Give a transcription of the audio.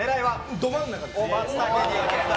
ど真ん中ですね。